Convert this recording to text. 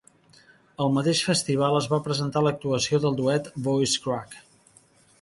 Al mateix festival es va presentar l'actuació del duet Voice Crack.